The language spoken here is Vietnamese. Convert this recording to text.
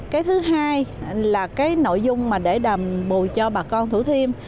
cái thứ hai là cái nội dung để đàm bù cho bà con thủ thiêm